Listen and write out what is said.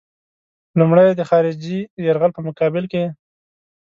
لومړی یې د خارجي یرغل په مقابل کې.